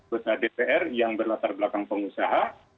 besar dpr yang berlatar belakang pengusaha